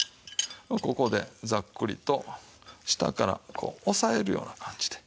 ここでざっくりと下からこう押さえるような感じで。